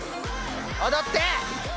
踊って。